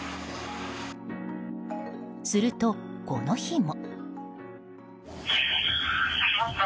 すると、この日も。